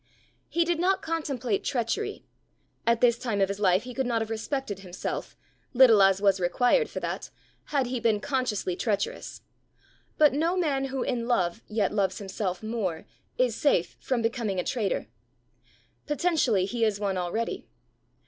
He did not contemplate treachery. At this time of his life he could not have respected himself, little as was required for that, had he been consciously treacherous; but no man who in love yet loves himself more, is safe from becoming a traitor: potentially he is one already.